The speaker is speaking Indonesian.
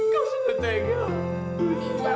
kau sudah tengah